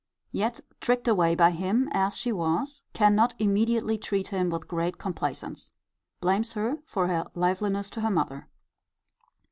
Yet tricked away by him as she was, cannot immediately treat him with great complaisance. Blames her for her liveliness to her mother.